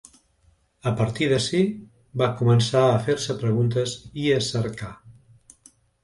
A partir d’ací, va començar a fer-se preguntes i a cercar.